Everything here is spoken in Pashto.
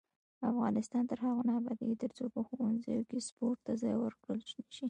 افغانستان تر هغو نه ابادیږي، ترڅو په ښوونځیو کې سپورت ته ځای ورکړل نشي.